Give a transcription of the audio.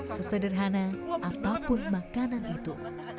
sesederhana apapun makanan itu